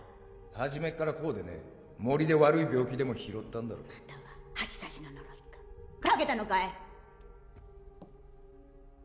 ・初めっからこうでね森で悪い病気でも拾ったんだろまたは蜂刺しの呪いかかけたのかい？